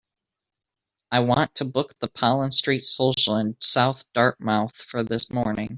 I want to book the Pollen Street Social in South Dartmouth for this morning.